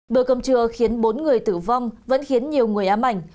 bữa cơm trưa khiến bốn người tử vong vẫn khiến nhiều người ám ảnh